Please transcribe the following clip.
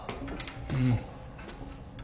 うん。